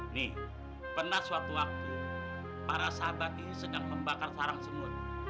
nih pernah suatu waktu para sahabat ini sedang membakar sarang semut